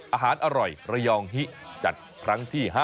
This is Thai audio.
อร่อยระยองฮิจัดครั้งที่๕